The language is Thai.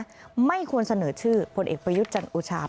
ก็ไม่ควรเสนอชื่อผลเอกประยุจจันทร์อุชา